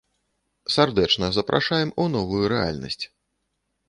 Сардэчна запрашаем у новую рэальнасць.